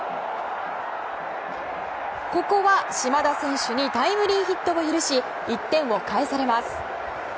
ここは島田選手にタイムリーヒットを許し１点を返されます。